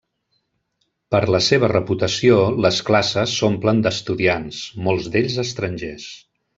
Per la seva reputació, les classes s'omplen d'estudiants, molts d'ells estrangers.